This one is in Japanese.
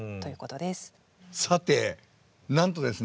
さてなんとですね